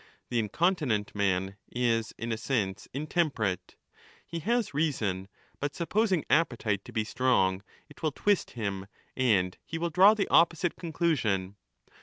The incontinent man is in a sense ^ intemperate ; he has reason, but supposing appetite to be strong it will twist him 15 and he will draw the opposite conclusion.